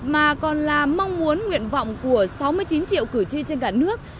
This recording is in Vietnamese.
mà còn là mong muốn nguyện vọng của sáu mươi chín triệu cử tri trên cả nước